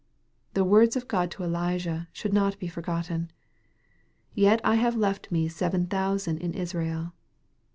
The words of God to Elijah should not be forgotten, " Yet I have left me seven thousand in Israel."